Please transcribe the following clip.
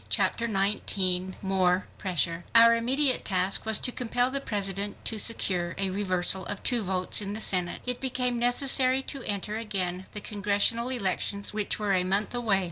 Chapter 19 More Pressure Our immediate task was to compel the President to secure a reversal of two votes in the Senate. It became necessary to enter again the Congressional elections which were a month away.